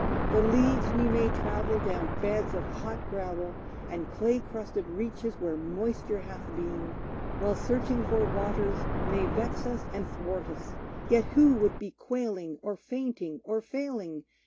The leagues we may travel down beds of hot gravel, And clay crusted reaches where moisture hath been, While searching for waters, may vex us and thwart us, Yet who would be quailing, or fainting, or failing?